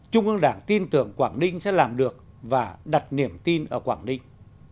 trung ương đảng tin tưởng quảng ninh sẽ làm được và đặt niềm tin ở quảng ninh